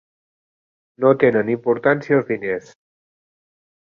No tenen importància els diners.